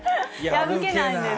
破けないです。